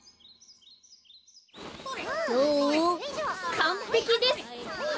かんぺきです！